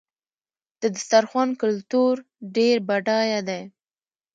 د دسترخوان کلتور ډېر بډایه دی.